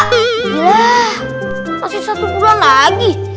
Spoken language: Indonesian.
gila masih satu bulan lagi